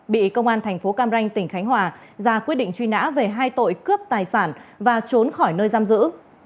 bị công an thành phố cam ranh tỉnh khánh hòa ra quyết định truy nã về hai tội cướp tài sản và trốn khỏi nơi giam giữ